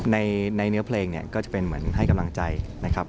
ในเนื้อเพลงเนี่ยก็จะเป็นเหมือนให้กำลังใจนะครับ